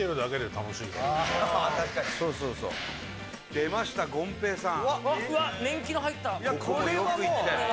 出ました、ごん平さん。